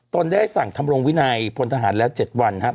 ตนได้สั่งทำรงวินัยพลทหารแล้ว๗วันครับ